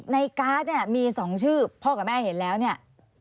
ในการ์ดเนี่ยมี๒ชื่อพ่อกับแม่เห็นแล้วเนี่ย